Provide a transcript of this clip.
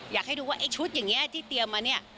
อยากให้ดูว่าไอ้ชุดอย่างนี้ที่เตรียมมาเนี่ย